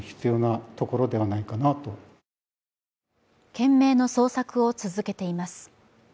懸命の捜索を続けています。